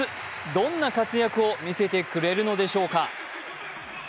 どんな活躍を見せてくれるのでしょうか。